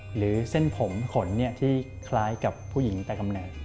หรือเส้นผมขนที่คล้ายกับผู้หญิงแต่กำแหนก